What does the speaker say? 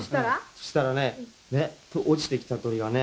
「そしたらね落ちてきた鳥がね